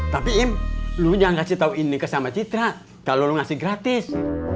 tapi im lu jangan kasih tau ini ke sambal citra kalau lu ngasih gratis